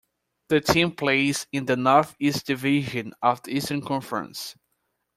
The team plays in the Northeast Division of the Eastern Conference.